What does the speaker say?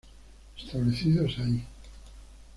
Establecidos ahí.